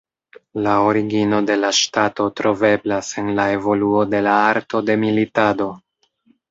La origino de la ŝtato troveblas en la evoluo de la arto de militado.